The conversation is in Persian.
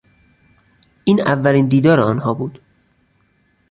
این اولین دیدار آنها بود.